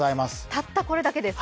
たった、これだけです